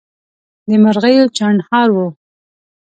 د مرغیو چڼهار وو